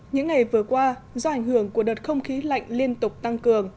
những ngày vừa qua do ảnh hưởng của đợt không khí lạnh liên tục tăng cường